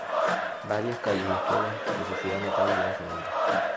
Varias calles y escuelas de su ciudad natal llevan su nombre.